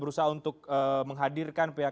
berusaha untuk menghadirkan pihak